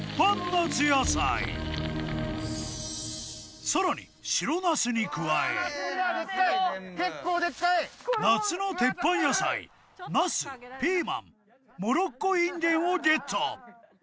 夏野菜さらに白ナスに加え夏のテッパン野菜ナスピーマンモロッコインゲンをゲット